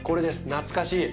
懐かしい。